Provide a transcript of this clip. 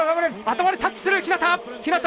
頭でタッチする日向。